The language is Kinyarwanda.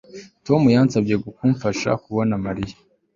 Tom yansabye kumfasha kubona Mariya